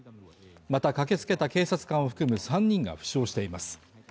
また駆け付けた警察官を含む３人が負傷しています。